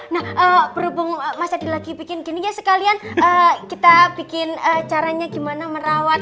nah berhubung mas adi lagi bikin gini ya sekalian kita bikin caranya gimana merawat